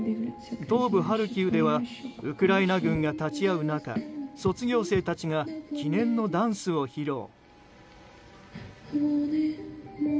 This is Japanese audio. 東部ハルキウではウクライナ軍が立ち会う中卒業生たちが記念のダンスを披露。